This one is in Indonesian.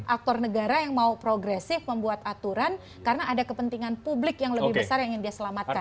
aktor negara yang mau progresif membuat aturan karena ada kepentingan publik yang lebih besar yang ingin dia selamatkan